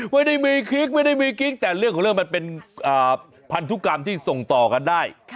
ไม่ได้มีกิ๊กไม่ได้มีกิ๊กแต่เรื่องของเรื่องมันเป็นพันธุกรรมที่ส่งต่อกันได้